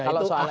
kalau soal etik